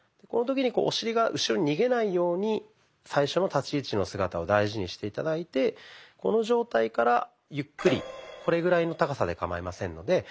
この時にお尻が後ろに逃げないように最初の立ち位置の姿を大事にして頂いてこの状態からゆっくりこれぐらいの高さでかまいませんので。